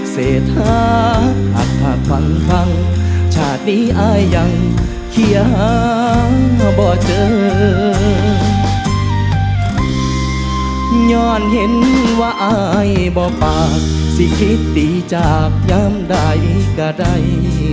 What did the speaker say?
เศรษฐาหักชาตินี้อายังเฮียบ่ป่าสิคิดดีจากย้ำใดก็ได้